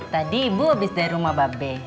tadi ibu habis dari rumah babe